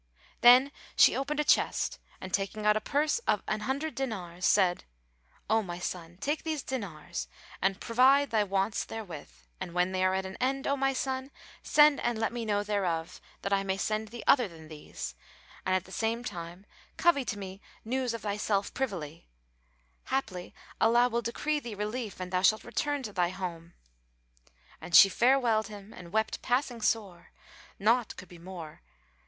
Then she opened a chest and taking out a purse of an hundred dinars said, "O my son, take these dinars and provide thy wants therewith, and when they are at an end, O my son, send and let me know thereof, that I may send thee other than these, and at the same time covey to me news of thyself privily: haply Allah will decree thee relief and thou shalt return to thy home." And she farewelled him and wept passing sore, nought could be more.